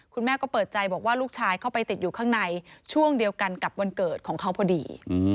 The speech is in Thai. คุณแม่ก็เปิดใจบอกว่าลูกชายเข้าไปติดอยู่ข้างในช่วงเดียวกันกับวันเกิดของเขาพอดี